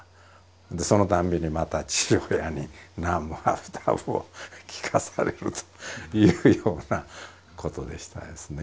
でそのたんびにまた父親に「ナムハブタブ」を聞かされるというようなことでしたですね。